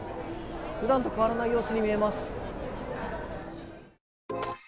ふだんと変わらない様子に見えます。